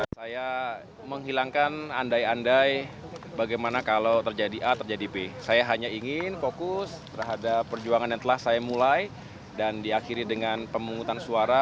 saya menghilangkan andai andai bagaimana kalau terjadi a terjadi p saya hanya ingin fokus terhadap perjuangan yang telah saya mulai dan diakhiri dengan pemungutan suara